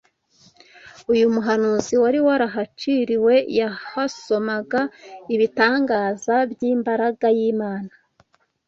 uyu muhanuzi wari warahaciriwe yahasomaga ibitangaza by’imbaraga y’Imana